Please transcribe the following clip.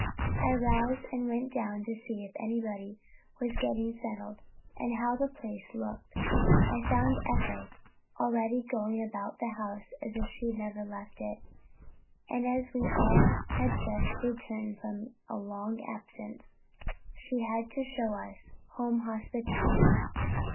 I rose and went down to see if everybody was getting settled, and how the place looked. I found Ethel already going about the house as if she had never left it, and as if we all had just returned from a long absence and she had to show us home hospitality.